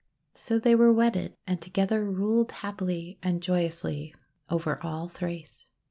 So they were wedded, and to gether ruled happily and joyously over all Thrace.